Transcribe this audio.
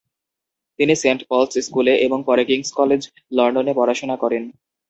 তিনি Saint Paul's স্কুলে এবং পরে কিংস কলেজ লন্ডনে পড়াশুনা করেন।